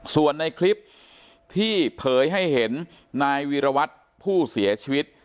ส่วนในคลิปที่เผยให้เห็นนายวีรวัตรผู้เสียชีวิต